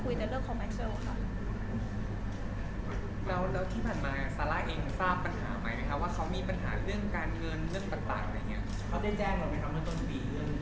มาตรอะไรงี้เขาได้แจ้งเราไว้ทำเรื่องนี้ตอนนี้